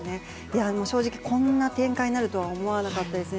正直、こんな展開になるとは思わなかったですね。